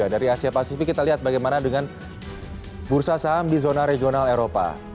dari asia pasifik kita lihat bagaimana dengan bursa saham di zona regional eropa